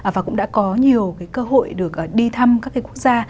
và cũng đã có nhiều cơ hội được đi thăm các quốc gia